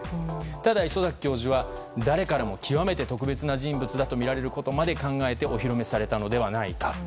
ただ、礒崎教授は誰からも極めて特別な人物だと見られることまで考えてお披露目されたのではないかと。